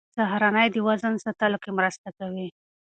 سهارنۍ د وزن ساتلو کې مرسته کوي.